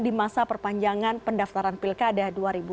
di masa perpanjangan pendaftaran pilkada dua ribu dua puluh